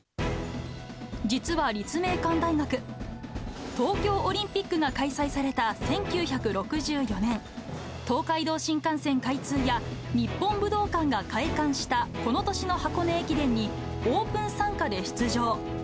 実は立命館大学、東京オリンピックが開催された１９６４年、東海道新幹線開通や、日本武道館が開館したこの年の箱根駅伝に、オープン参加で出場。